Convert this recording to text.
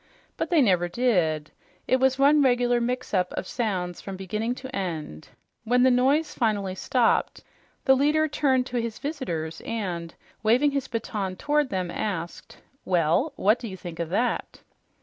But they never did; it was one regular mix up of sounds from beginning to end. When the noise finally stopped, the leader turned to his visitors and, waving his baton toward them, asked, "Well, what did you think of that?"